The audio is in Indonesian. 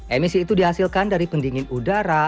emisi itu dihasilkan dari pendingin udara